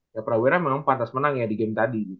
ya prawira memang pantas menang ya di game tadi